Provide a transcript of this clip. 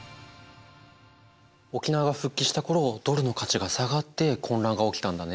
沖縄が復帰した頃ドルの価値が下がって混乱が起きたんだね。